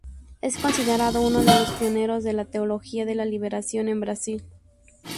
Es considerado uno de los pioneros de la Teología de la liberación en Brasil.